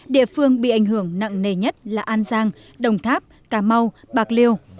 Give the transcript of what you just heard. địa phương bị ảnh hưởng nặng nề nhất là an giang đồng tháp cà mau bạc liêu